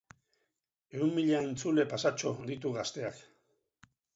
Ehun mila entzule pasatxo ditu Gazteak.